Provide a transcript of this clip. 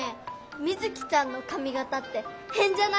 ミズキちゃんのかみがたってへんじゃない？